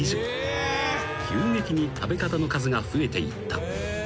［急激に食べ方の数が増えていった］